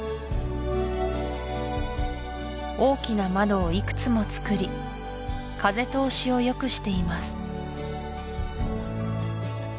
大きな窓をいくつも造り風通しをよくしています